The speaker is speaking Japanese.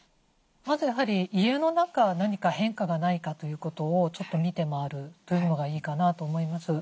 まずやはり家の中何か変化がないかということをちょっと見て回るというのがいいかなと思います。